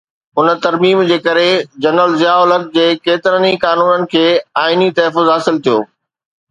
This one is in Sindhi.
ان ترميم جي ڪري جنرل ضياءُ الحق جي ڪيترن ئي قانونن کي آئيني تحفظ حاصل ٿيو.